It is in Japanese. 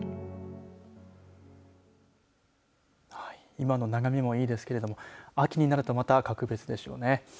今の眺めもいいですけれども秋になるとまた格別でしょうね。